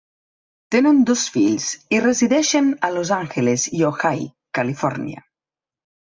Tenen dos fills i resideixen a Los Angeles i Ojai, Califòrnia.